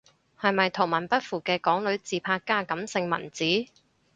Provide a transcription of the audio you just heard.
係咪圖文不符嘅港女自拍加感性文字？